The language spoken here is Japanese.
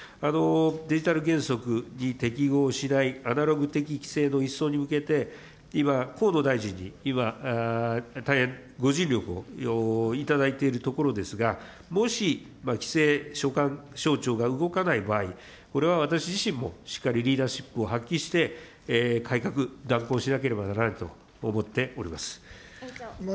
デジタル原則に適合しないアナログ的規制の一掃に向けて、今、河野大臣に今、大変ご尽力をいただいているところですが、もし規制所管省庁が動かない場合、これは私自身もしっかりリーダーシップを発揮して、改革、断行しなければならないと思っております。